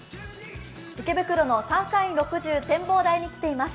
池袋のサンシャイン６０展望台に来ています。